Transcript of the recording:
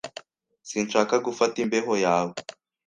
Sinshaka gufata imbeho yawe.